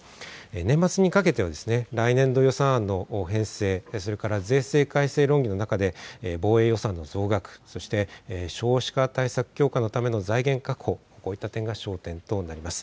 年末にかけては来年度予算案の編成、それから税制改正論議の中で防衛予算の増額、そして、少子化対策強化のための財源確保、こういった点が焦点となります。